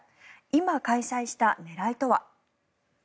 今、開催した狙いとは。